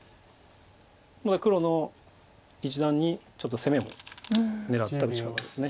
黒の一団にちょっと攻めを狙った打ち方です。